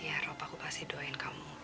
iya roh aku pasti doain kamu